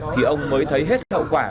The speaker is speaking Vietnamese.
thì ông mới thấy hết hậu quả